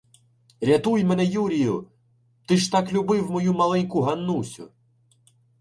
- Рятуй мене, Юрію! Ти ж так любив мою маленьку Ганнусю.